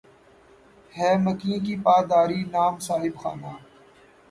ہے مکیں کی پا داری نام صاحب خانہ